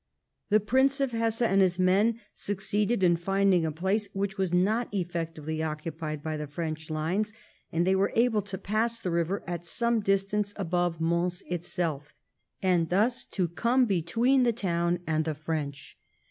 The Prince of Hesse and his men succeeded in finding a place which was not effectively occupied by the French Unes, and they were able to pass the river at some distance above Mons itself, and thus to come between the town and the French.